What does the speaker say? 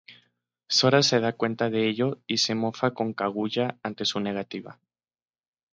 Sora se da cuenta de ello y se mofa con Kaguya ante su negativa.